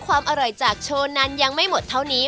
ความอร่อยจากโชว์นั้นยังไม่หมดเท่านี้